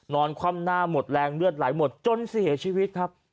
คว่ำหน้าหมดแรงเลือดไหลหมดจนเสียชีวิตครับ